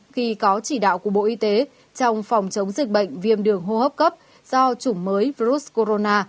khi có chỉ đạo của bộ y tế trong phòng chống dịch bệnh viêm đường hô hấp cấp do chủng mới virus corona